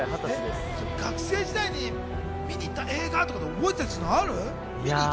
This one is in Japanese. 学生時代に見に行った映画とか覚えてたりするのある？